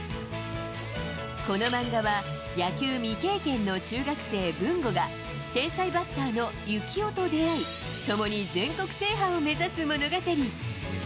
この漫画は、野球未経験の中学生、ブンゴが、天才バッターのユキオと出会い、共に全国制覇を目指す物語。